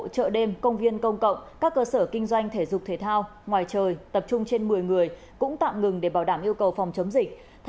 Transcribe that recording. chợ đêm công viên công cộng các cơ sở kinh doanh thể dục thể thao ngoài trời tập trung trên một mươi người cũng tạm ngừng để bảo đảm yêu cầu phòng chống dịch